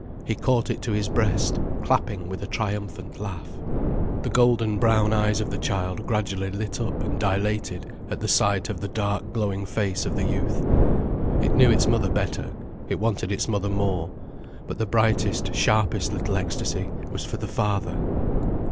He caught it to his breast, clapping with a triumphant laugh. The golden brown eyes of the child gradually lit up and dilated at the sight of the dark glowing face of the youth. It knew its mother better, it wanted its mother more. But the brightest, sharpest little ecstasy was for the father.